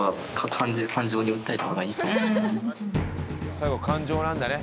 最後感情なんだね。